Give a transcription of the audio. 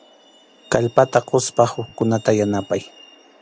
Kallpata quspa hukkunata yanapay.